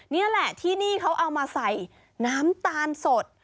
นี่แหละที่นี่เขาเอามาใส่น้ำตาลสด